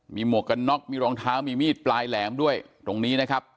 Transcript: มีหมวกกันน็อกมีรองเท้ามีมีดปลายแหลมด้วยตรงนี้นะครับ